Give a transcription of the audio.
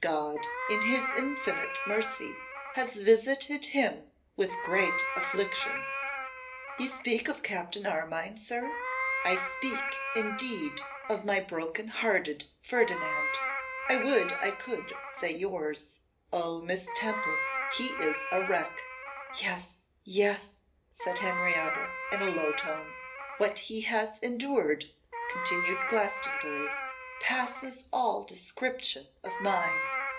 God, in His infinite mercy, has visited him with great afflictions.' 'You speak of Captain Armine, sir?' 'I speak indeed of my broken hearted Ferdinand; I would I could say yours. O Miss Temple, he is a wreck.' 'Yes! yes!' said Henrietta in a low tone. 'What he has endured,' continued Glastonbury, 'passes all description of mine.